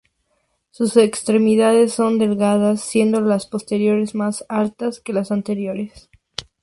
Sus extremidades son delgadas, siendo las posteriores más altas que las anteriores.